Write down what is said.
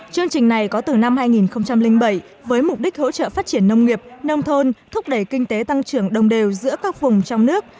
chương trình này có từ năm hai nghìn bảy với mục đích hỗ trợ phát triển nông nghiệp nông thôn thúc đẩy kinh tế tăng trưởng đồng đều giữa các vùng trong nước